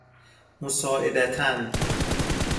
مساعدتاً